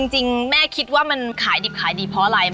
จริงแม่คิดว่ามันขายดิบขายดีเพราะอะไร